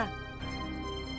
tempat yang sudah